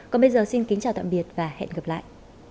còn bây giờ xin kính chào tạm biệt và hẹn gặp lại